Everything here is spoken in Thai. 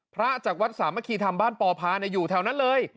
จากวัดสามัคคีธรรมบ้านปอพาอยู่แถวนั้นเลย